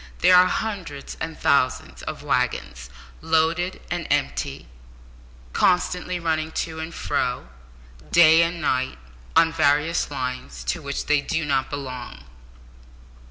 There are hundreds of thousands of waggons, loaded and empty, constantly running to and fro, day and night, on various lines, to which they do not belong.